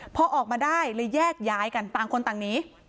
พอออกมาได้เลยแยกย้ายกันต่างคนต่างหนี